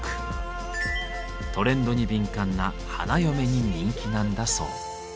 トレンドに敏感な花嫁に人気なんだそう。